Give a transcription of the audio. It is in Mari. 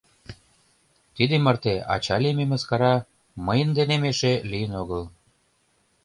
Тиде мартеже ача лийме мыскара мыйын денем эше лийын огыл.